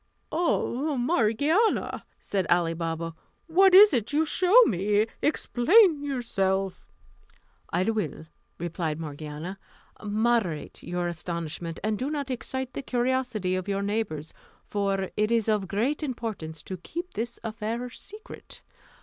"Ah, Morgiana," said Ali Baba, "what is it you show me? Explain yourself." "I will," replied Morgiana. "Moderate your astonishment, and do not excite the curiosity of your neighbours; for it is of great importance to keep this affair secret.